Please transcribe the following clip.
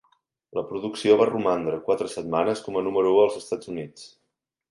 La producció va romandre quatre setmanes com a número u als Estats Units.